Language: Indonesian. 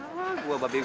malah malah malah